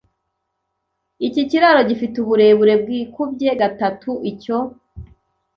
Iki kiraro gifite uburebure bwikubye gatatu icyo.